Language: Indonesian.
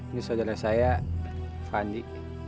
ini saudara saya fandi